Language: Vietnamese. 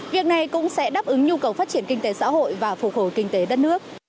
việc này cũng sẽ đáp ứng nhu cầu phát triển kinh tế xã hội và phục hồi kinh tế đất nước